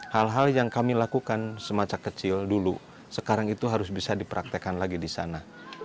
hal hal yang kami lakukan semacam kecil dulu sekarang itu harus bisa dipraktekan lagi di sana